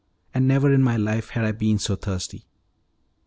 And never in my life had I been so thirsty.